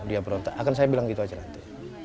dia berontak akan saya bilang gitu aja nanti